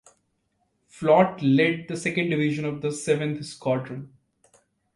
Flotte lead the second Division of the Seventh Squadron.